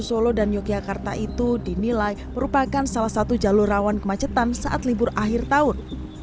solo dan yogyakarta itu dinilai merupakan salah satu jalur rawan kemacetan saat libur akhir tahun